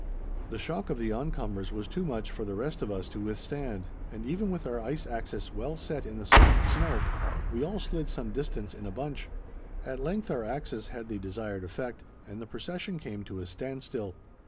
The shock of the oncomers was too much for the rest of us to withstand, and even with our ice axes well set in the soft snow, we all slid some distance in a bunch. At length our axes had the desired effect and the procession came to a standstill.